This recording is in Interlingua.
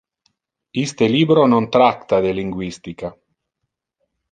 Iste libro non tracta de linguistica.